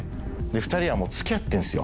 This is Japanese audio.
２人はもう付き合ってるんですよ